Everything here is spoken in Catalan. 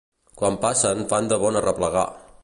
Quan passen fan de bon arreplegar.